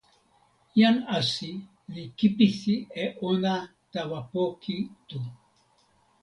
jan Asi li kipisi e ona tawa poki tu.